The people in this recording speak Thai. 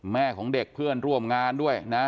แม่ของเด็กเพื่อนร่วมงานด้วยนะ